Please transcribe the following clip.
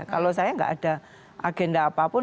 kalau saya nggak ada agenda apapun